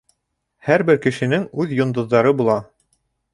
Һәр бер кешенең үҙ йондоҙҙары була.